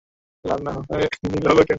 পাওনাদার আমার ঘাড়ে চেপে বসেছে।